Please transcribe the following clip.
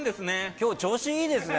今日、調子いいですね。